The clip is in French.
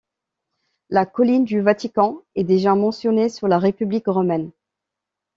La colline du Vatican est déjà mentionnée sous la République romaine.